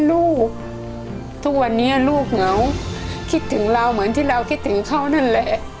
ลูกทุกวันนี้ลูกเหงาคิดถึงเราเหมือนที่เราคิดถึงเขานั่นแหละ